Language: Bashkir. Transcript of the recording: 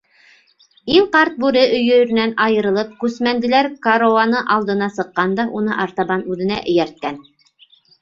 Иң ҡарт бүре, өйөрөнән айырылып, күсмәнделәр каруаны алдына сыҡҡан да уны артабан үҙенә эйәрткән.